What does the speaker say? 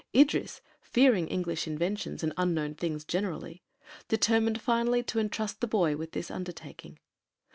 Idris, fearing English inventions and unknown things generally, determined finally to entrust the boy with this undertaking.